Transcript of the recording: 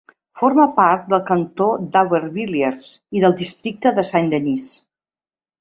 Forma part del cantó d'Aubervilliers i del districte de Saint-Denis.